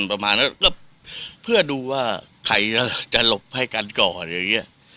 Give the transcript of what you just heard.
ประมาณนั้นก็เพื่อดูว่าใครจะหลบให้กันก่อนอย่างนี้